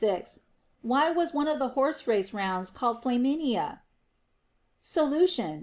Why was one of the horse race rounds called Flaminia \ Solution.